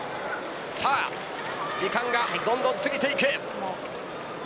時間がどんどん過ぎていく。